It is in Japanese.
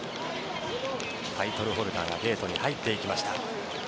タイトルホルダーがゲートに入ってきました。